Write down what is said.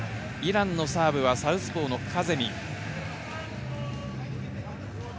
イランのサーブはサウスポーのカゼミ。